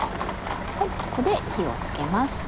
ここで火を付けます。